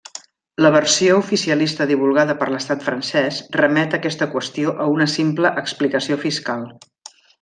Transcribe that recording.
La versió oficialista divulgada per l'Estat francès remet aquesta qüestió a una simple explicació fiscal.